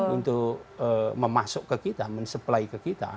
untuk memasuk ke kita men supply ke kita